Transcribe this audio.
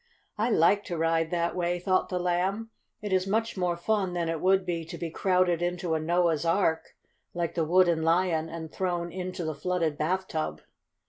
"I like to ride that way," thought the Lamb. "It is much more fun than it would be to be crowded into a Noah's Ark like the Wooden Lion and thrown into the flooded bathtub."